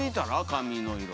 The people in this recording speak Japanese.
髪の色。